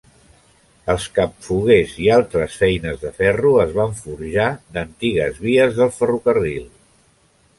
Els capfoguers i altres feines de ferro es van forjar d'antigues vies del ferrocarril.